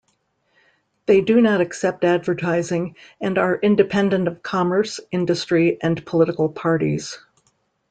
They do not accept advertising and are independent of commerce, industry and political parties.